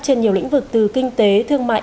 trên nhiều lĩnh vực từ kinh tế thương mại